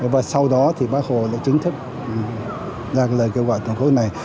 và sau đó thì bác hồ đã chính thức ra lời kêu gọi toàn quốc này